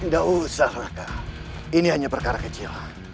tidak usah raka ini hanya perkara kecil